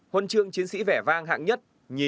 huân trường chiến sĩ vẻ vang hạng nhất hai ba